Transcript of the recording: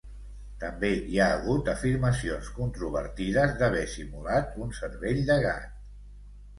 També hi ha hagut afirmacions controvertides d'haver simulat un cervell de gat.